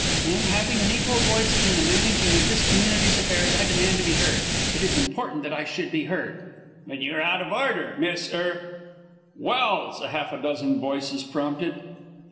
"Then, having an equal voice in the managing of this community's affairs, I demand to be heard. It is important that I should be heard." "But you are out of order. Miss er " "Welse!" half a dozen voices prompted.